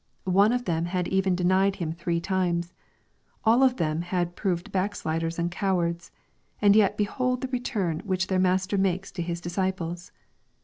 One of them had even denied Him three times. All of them had proved backsliders and cowards. And yet behold the re turn which their Master makes to His disciples